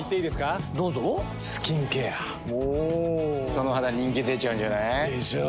その肌人気出ちゃうんじゃない？でしょう。